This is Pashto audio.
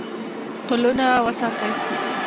پلونه وساتئ